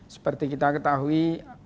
seperti kita ketahui